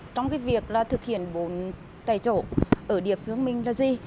tiền bốn tài trổ ở địa phương mình là gì